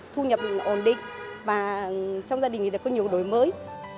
thu nhập ổn định và trong gia đình có nhiều đổi mới